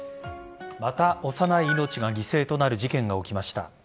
また幼い命が犠牲となる事件が起きました。